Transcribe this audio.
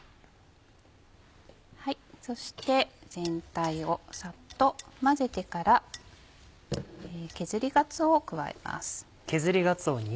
そして全体をサッと混ぜてから削りがつおを加えます。